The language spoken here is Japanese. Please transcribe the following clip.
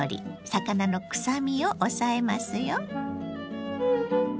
魚のくさみを抑えますよ。